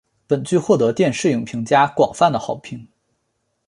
本剧获得电视影评家广泛的好评。